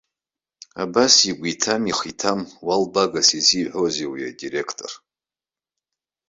Абас, игәы иҭам ихы иҭам уалбагас изиҳәозеи уи адиректор?!